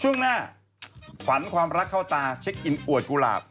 ช่วงหน้าขวัญความรักเข้าตาเช็คอินอวดกุหลาบ